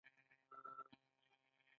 ژرنده او اهنګري د دوی ملکیت و.